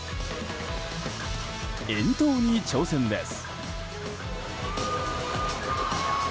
遠投に挑戦です。